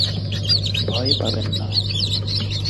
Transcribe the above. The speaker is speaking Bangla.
ভয় পাবেন না!